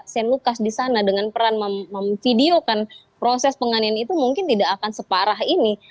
shane lucas di sana dengan peran memvideokan proses penganian itu mungkin tidak akan separah ini